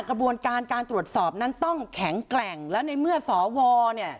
กระบวนการการตรวจสอบนั้นต้องแข็งแกร่งแล้วในเมื่อสวเนี่ย